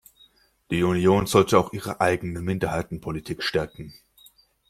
Die Union sollte auch ihre eigene Minderheitenpolitik stärken.